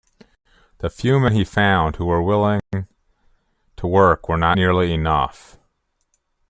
The few men he found who were willing to work were not nearly enough.